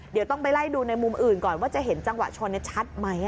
เดี๋ยวต้องไปไล่ดูในมุมอื่นก่อนว่าจะเห็นจังหวะชนชัดไหม